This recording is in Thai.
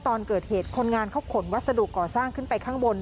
ตอนเกิดเหตุคนงานเขาขนวัสดุก่อสร้างขึ้นไปข้างบน